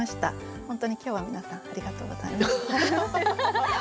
本当に今日は皆さんありがとうございます。